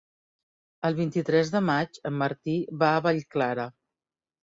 El vint-i-tres de maig en Martí va a Vallclara.